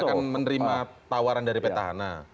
itu akan menerima tawaran dari petahana